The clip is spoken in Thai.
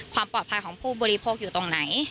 ความปลอดภัยของผู้บริโภคอยู่ตรงไหน